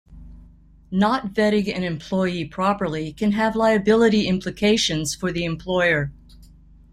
Not vetting an employee properly can have liability implications for the employer.